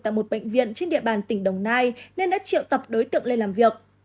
tại một bệnh viện trên địa bàn tỉnh đồng nai nên đã triệu tập đối tượng lên làm việc